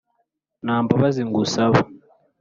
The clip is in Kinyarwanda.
nta 'mbabazi ngusaba.»